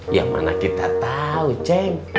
ya mana kita tau ceng